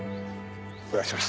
お願いします。